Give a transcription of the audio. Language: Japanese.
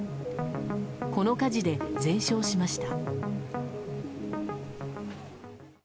この火事で全焼しました。